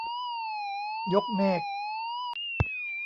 ยกเมฆ